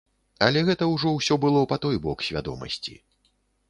Але гэта ўжо ўсё было па той бок свядомасці.